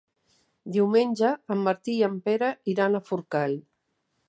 Diumenge en Martí i en Pere iran a Forcall.